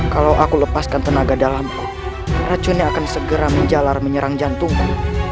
kalau aku lepaskan tenaga dalamku racunnya akan segera menjalar menyerang jantungku